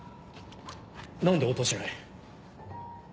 何で応答しない？